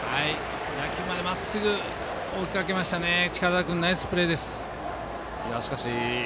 打球までまっすぐ追いかけましたね、近澤君ナイスプレーです。